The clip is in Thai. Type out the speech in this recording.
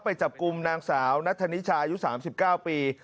ไปจับกลุ่มนางสาวนัทธนิชายุ๓๙ปี